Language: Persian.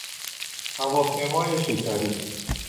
هواپیمای شکری